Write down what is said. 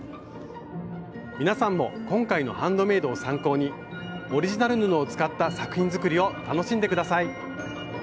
皆さんも今回の「ハンドメイド」を参考にオリジナル布を使った作品作りを楽しんで下さい！